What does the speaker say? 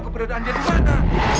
kepada anda di mana